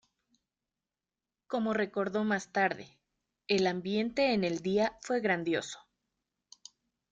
Como recordó más tarde: "El ambiente en el día fue grandioso.